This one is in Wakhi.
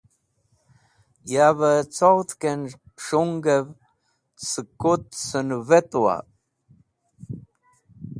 Yavẽ coghdẽkẽn s̃hungẽv sẽk kut sẽnũvetuwa?